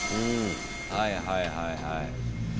はいはいはいはい。